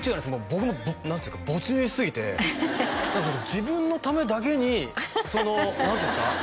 僕も何ていうか没入しすぎて自分のためだけにその何ていうんですか